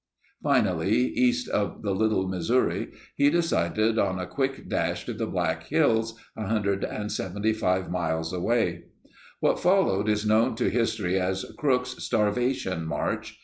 Finally, east of the Little Mis souri, he decided on a quick dash to the Black Hills, 175 miles away. What followed is known to history as "Crook's Starvation March."